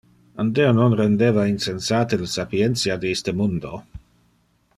An Deo non rendeva insensate le sapientia de iste mundo?